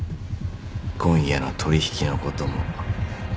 今夜の取引のことも。